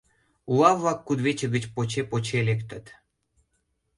Ула-влак кудывече гыч поче-поче лектыт.